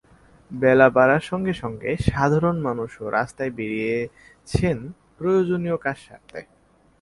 বেলা বাড়ার সঙ্গে সঙ্গে সাধারণ মানুষও রাস্তায় বেরিয়েছেন প্রয়োজনীয় কাজ সারতে।